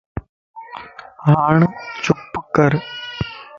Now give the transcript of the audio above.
ھاڻ چپ ڪر